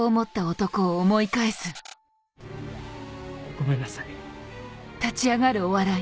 ごめんなさい。